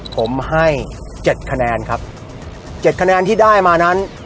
ผมให้๗คะแนนครับ๗คะแนนที่ได้มานั้น